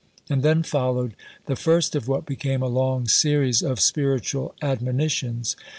And then followed the first of what became a long series of spiritual admonitions.